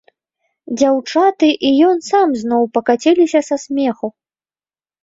Дзяўчаты і ён сам зноў пакаціліся са смеху.